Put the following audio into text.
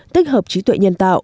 tích hợp trí tuệ nhân tạo